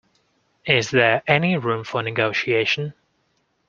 Is there any room for negotiation?